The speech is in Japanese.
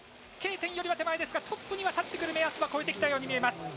Ｋ点よりは手前ですがトップには立ってくる目安を越えてきたように見えます。